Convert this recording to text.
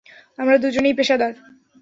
আমরা দুজনেই পেশাদার।